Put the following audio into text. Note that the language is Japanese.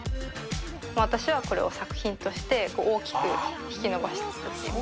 私はこれを作品として大きく引き伸ばして作ってます。